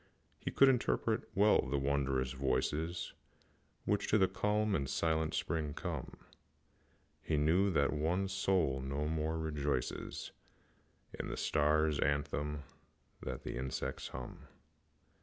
He could interpret well the wondrous voices Which to the calm and silent spirit come; He knew that the One Soul no more rejoices In the star's anthem than the insect's hum.